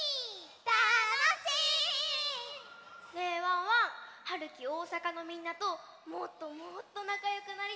たのしい！ねえワンワン。はるきおおさかのみんなともっともっとなかよくなりたいな！